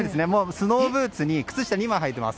スノーブーツに靴下２枚はいてます。